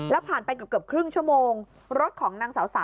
แล้วผ่านไปเกือบครึ่งชั่วโมง